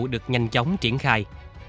được nhanh chóng triển khai